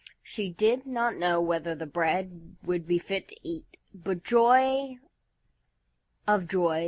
She did not know whether the bread would be fit to eat, but joy of joys!